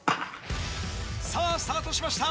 さぁスタートしました。